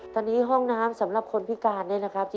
ตอนนี้ห้องน้ำสำหรับคนพิการเนี่ยนะครับ